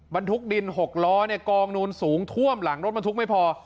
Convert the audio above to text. บรรทุกดิน๖ล้อกองนูนสูงท่วมหลังรถบรรทุกไม่พอ